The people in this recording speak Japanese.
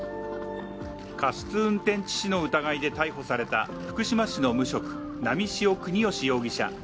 過失運転致死の疑いで逮捕された福島市の無職、波汐國芳容疑者